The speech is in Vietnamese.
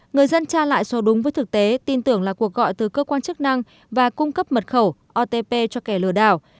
người dân tra lại số đúng với thực tế tin tưởng là cuộc gọi từ cơ quan chức năng và cung cấp mật khẩu otp cho kẻ lừa đảo